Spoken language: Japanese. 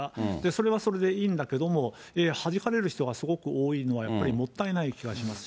それはそれでいいんだけども、はじかれる人がすごく多いのは、やっぱりもったいない気がしますし。